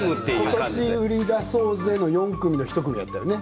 今年、売り出す４組のうちの１人だったよね。